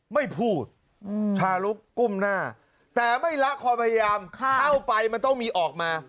ไม่พูดชาลุกกุ้มหน้าแต่ไม่ละความพยายามเข้าไปมันต้องมีออกมา